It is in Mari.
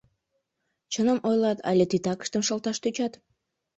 Чыным ойлат, але титакыштым шылташ тӧчат?